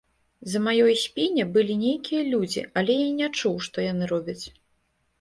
За маёй спіне былі нейкія людзі, але я не чуў, што яны робяць.